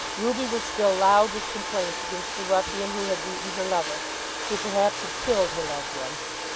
Ruby was still loud with complaints against the ruffian who had beaten her lover, who, perhaps, had killed her loved one.